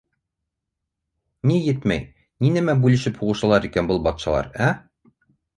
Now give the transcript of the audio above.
— Ни етмәй, ни нәмә бүлешеп һуғышалар икән был батшалар, ә?